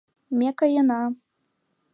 — Ме каена!